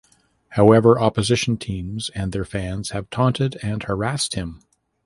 However opposition teams and their fans have taunted and harassed him.